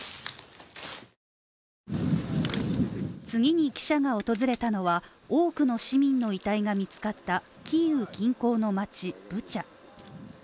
次に記者が訪れたのは、多くの市民の遺体が見つかったキーウ近郊の町、ブチャ。